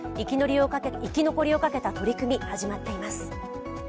生き残りをかけた取り組み始まっています。